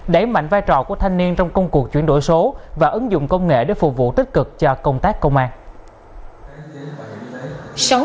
đẩy mạnh vai trò của thanh niên trong công cuộc chuyển đổi số và ứng dụng công nghệ để phục vụ tích cực cho công tác công an